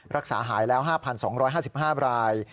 รักษาหายแล้ว๕๒๕๕ราย